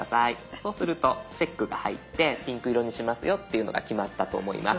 そうするとチェックが入ってピンク色にしますよっていうのが決まったと思います。